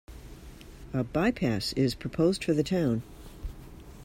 A bypass is proposed for the town.